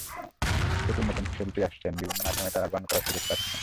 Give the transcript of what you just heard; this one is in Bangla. প্রচুর নতুন শিল্পী আসছেন, বিভিন্ন মাধ্যমে তাঁরা গান করার সুযোগ পাচ্ছেন।